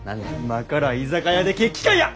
今から居酒屋で決起会や！